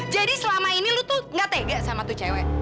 jadi selama ini lu tuh gak tega sama tuh cewek